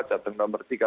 jawa jateng nomor tiga